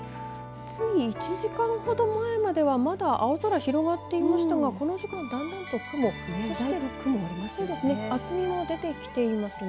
つい１時間ほど前まではまだ青空が広がっていましたがこの時間、だんだんと雲がありますね。